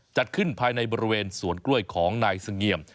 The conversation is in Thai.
จัดขึ้นภายในบริเวณสวนกล้วยของนายเสงี่ยม